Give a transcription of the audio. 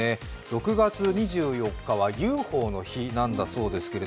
６月２４日はＵＦＯの日だそうです。